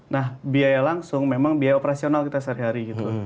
nah biaya langsung memang biaya operasional kita sehari hari gitu